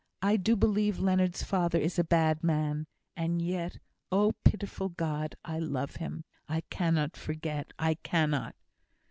I do believe Leonard's father is a bad man, and yet, oh! pitiful God, I love him; I cannot forget I cannot!"